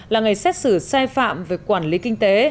là ngày xét xử sai phạm về quản lý kinh tế